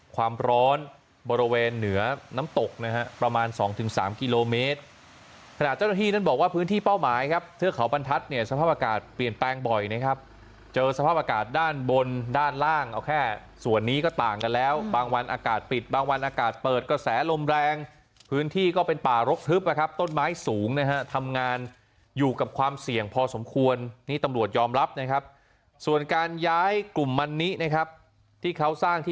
ความร้อนบริเวณเหนือน้ำตกนะฮะประมาณ๒๓กิโลเมตรขนาดเจ้าหน้าที่นั้นบอกว่าพื้นที่เป้าหมายครับเทือกเขาบรรทัศน์เนี่ยสภาพอากาศเปลี่ยนแปลงบ่อยนะครับเจอสภาพอากาศด้านบนด้านล่างเอาแค่ส่วนนี้ก็ต่างกันแล้วบางวันอากาศปิดบางวันอากาศเปิดก็แสลลมแรงพื้นที่ก็เป็นป่ารกทึบนะครั